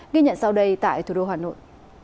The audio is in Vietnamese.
ghi nhận sau đây tại thủ đô hà nội